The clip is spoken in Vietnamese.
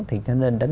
thì nên đến tầm